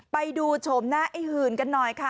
ไปดูโฉมหน้าไอ้หื่นกันหน่อยค่ะ